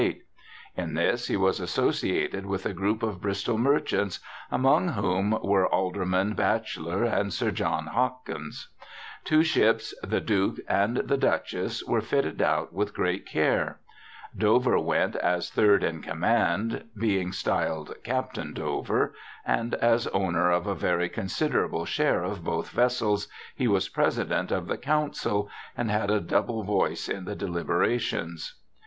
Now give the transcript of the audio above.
In this he was associated with a group of Bristol merchants, among THOMAS DOVER 21 whom were Alderman Bachelor and Sir John Hawkins. Two ships, the Duke and the Duchess, were fitted out with great care. Dover went as third in command, being styled Captain Dover, and as owner of a very considerable share of both vessels he was president of the Council, and had a double voice in the dehbera tions.